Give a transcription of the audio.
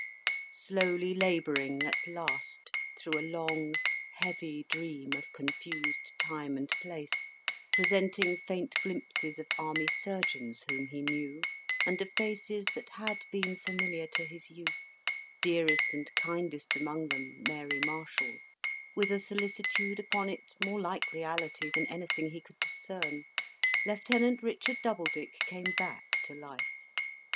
Slowly labouring, at last, through a long heavy dream of confused time and place, presenting faint glimpses of army surgeons whom he knew, and of faces that had been familiar to his youth, dearest and kindest among them, Mary Marshall's, with a solicitude upon it more like reality than anything he could discern, Lieutenant Richard Doubledick came back to life.